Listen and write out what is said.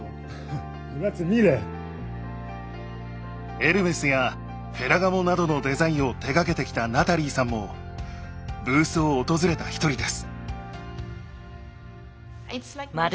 エルメスやフェラガモなどのデザインを手がけてきたナタリーさんもブースを訪れた一人です。